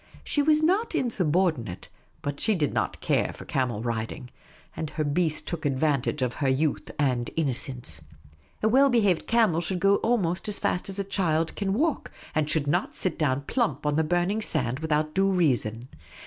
She was not insubordinate, but she did not care for camel riding. And her beast took advantage of her youth and innocence. A well behaved camel should go almost as fast as a child can *3 194 Miss Cayley's Adventures walk, and should not sit down plump on the burning sand without due reason.